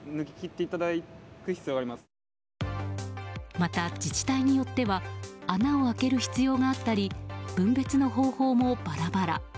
また、自治体によっては穴を開ける必要があったり分別の方法もバラバラ。